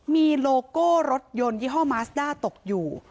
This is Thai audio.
มีโลโก้รถยนต์ยี่ห้อมาสด้าตกอยู่